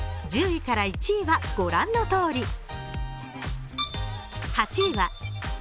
１０位から１位は御覧のとおり。